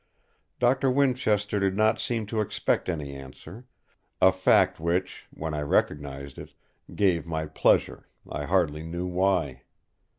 Doctor Winchester did not seem to expect any answer—a fact which, when I recognised it, gave me pleasure, I hardly knew why.